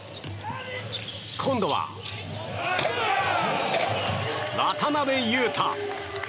今度は、渡邊雄太。